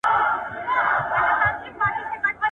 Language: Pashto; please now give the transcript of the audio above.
پرون یې کلی، نن محراب سبا چنار سوځوي !.